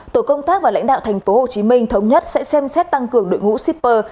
tổ công tác và lãnh đạo thành phố hồ chí minh thống nhất sẽ xem xét tăng cường đội ngũ shipper